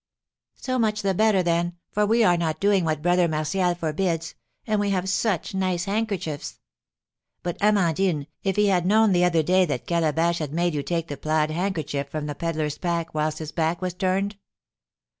"So much the better, then, for we are not doing what Brother Martial forbids, and we have such nice handkerchiefs!" "But, Amandine, if he had known the other day that Calabash had made you take the plaid handkerchief from the peddler's pack whilst his back was turned?"